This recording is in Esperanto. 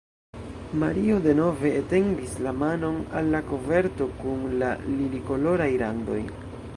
Mario denove etendis la manon al la koverto kun la lilikoloraj randoj.